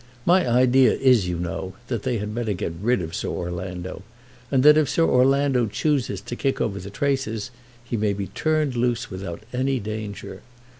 My idea is, you know, that they had better get rid of Sir Orlando, and that if Sir Orlando chooses to kick over the traces, he may be turned loose without any danger.